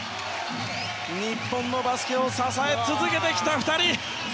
日本のバスケを支え続けてきた２人。